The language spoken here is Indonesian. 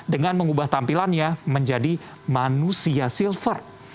dengan mengubah tampilannya menjadi manusia silver